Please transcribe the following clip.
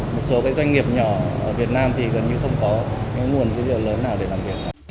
một số doanh nghiệp nhỏ ở việt nam thì gần như không có nguồn dữ liệu lớn nào để làm việc